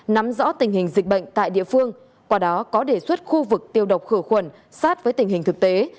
nắm rõ tình hình dịch bệnh tại địa phương qua đó có đề xuất khu vực tiêu độc khử khuẩn sát với tình hình thực tế